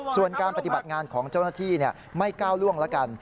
ส่วนการปฏิบัติงานของเจ้าหน้าที่ไม่ก้าวล่วงละกัน